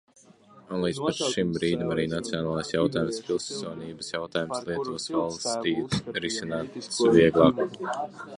Un līdz pat šim brīdim arī nacionālais jautājums, pilsonības jautājums Lietuvas valstī risinās vieglāk.